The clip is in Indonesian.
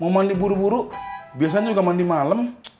mau mandi buru buru biasanya juga mandi malam